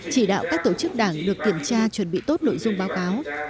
chỉ đạo các tổ chức đảng được kiểm tra chuẩn bị tốt nội dung báo cáo